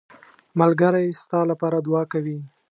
ملګری ستا لپاره دعا کوي